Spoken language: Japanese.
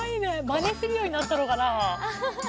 マネするようになったのかな？